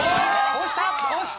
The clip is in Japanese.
押した！